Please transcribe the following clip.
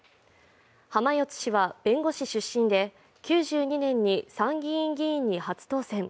浜四津氏は弁護士出身で９２年に参議院議員に初当選。